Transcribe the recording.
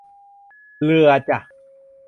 เรือจ้ะ